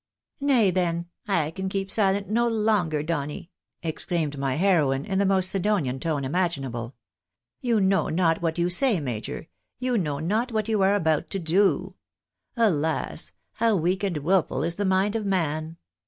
" Nay, then, I can keep silent no longer, Donny !" exclaimed my heroine, in the most Siddonian tone imaginable. " You know not what you say, major — you know not what you are about to do ! Alas ! how weak and wilful is the mind of man